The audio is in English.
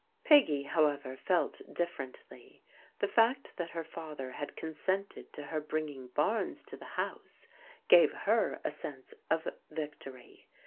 P^gy, however, felt differently. The fact that her fa ther had consented to her bringing Barnes to the house gave her a sense of victory.